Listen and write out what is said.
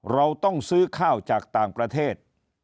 เราต้องซื้อข้าวจากต่างประเทศ